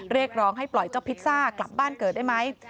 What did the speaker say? เรียกร้องให้ปล่อยเจ้าพิซซ่ากลับบ้านเกิดได้ไหม